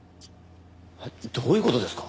どういう事ですか？